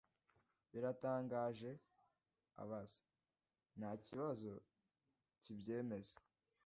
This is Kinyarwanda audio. "Biratangaje?" abaza. "Nta kibazo kibyemeza."